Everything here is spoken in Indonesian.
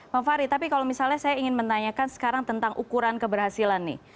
bang fahri tapi kalau misalnya saya ingin menanyakan sekarang tentang ukuran keberhasilan nih